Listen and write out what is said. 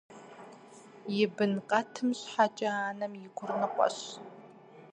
И бын къэтым щхьэкӀэ анэм и гур ныкъуэщ.